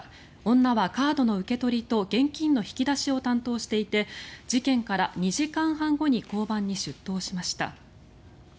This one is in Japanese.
女はカードの受け取りと現金の引き出しを担当していて事件から２時間半後に交番に出頭しました。